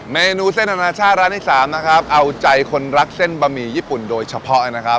เมนูเส้นอนาชาติร้านที่สามนะครับเอาใจคนรักเส้นบะหมี่ญี่ปุ่นโดยเฉพาะนะครับ